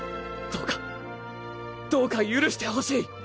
どうかどうか許してほしい。